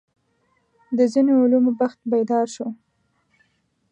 د ځینو علومو بخت بیدار شو.